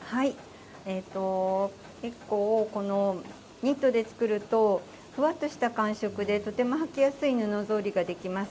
結構ニットで作るとふわっとした感覚で、とても履きやすい布ぞうりができます。